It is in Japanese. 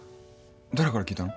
誰から聞いたの？